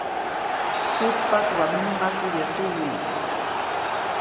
Sutpaʼt waʼa mnämaku yäʼ tuwi.